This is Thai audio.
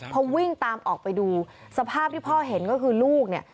พอวิ่งตามออกไปดูสภาพที่พ่อเห็นก็คือลูกเนี่ย